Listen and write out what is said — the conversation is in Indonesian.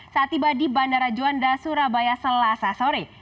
saat tiba di bandara juanda surabaya selasa sore